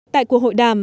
tại cuộc hội đàm